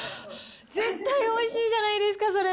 絶対おいしいじゃないですか、それ。